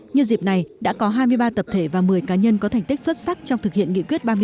như dịp này đã có hai mươi ba tập thể và một mươi cá nhân có thành tích xuất sắc trong thực hiện nghị quyết ba mươi tám